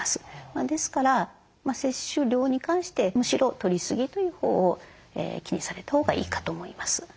ですから摂取量に関してむしろとりすぎというほうを気にされたほうがいいかと思います。